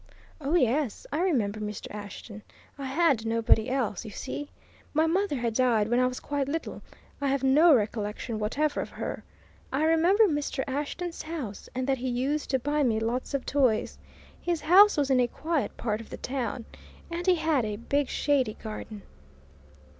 "Oh, yes I remember Mr. Ashton. I had nobody else, you see; my mother had died when I was quite little; I have no recollection whatever of her. I remember Mr. Ashton's house, and that he used to buy me lots of toys. His house was in a quiet part of the town, and he had a big, shady garden."